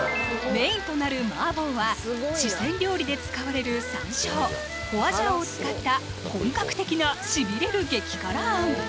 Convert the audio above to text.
メインとなる麻婆は四川料理で使われる山椒・ホワジャオを使った本格的なしびれる激辛餡